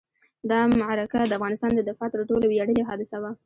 دا معرکه د افغانستان د دفاع تر ټولو ویاړلې حادثه وه.